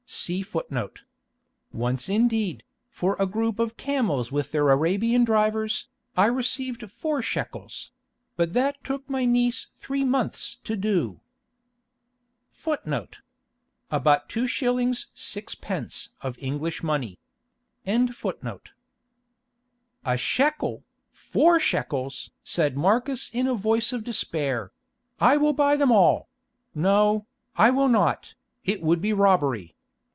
[*] Once indeed, for a group of camels with their Arabian drivers, I received four shekels; but that took my niece three months to do." [*] About 2s. 6d. of English money. "A shekel! Four shekels!" said Marcus in a voice of despair; "I will buy them all—no, I will not, it would be robbery.